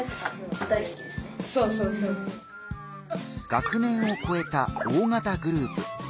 学年をこえた大型グループ。